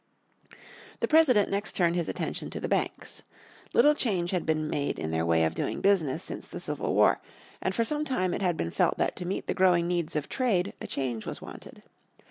The President next turned his attention to the banks. Little change had been made in their way of doing business since the Civil War, and for some time it had been felt that to meet the growing needs of trade a change was wanted.